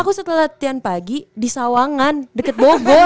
aku setelah latihan pagi di sawangan deket bobor